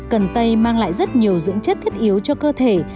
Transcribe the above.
cần tây mang lại rất nhiều dưỡng chất thiết yếu cho cơ thể